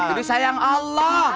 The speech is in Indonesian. jadi sayang allah